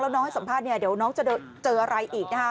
น้องให้สัมภาษณ์เนี่ยเดี๋ยวน้องจะเจออะไรอีกนะคะ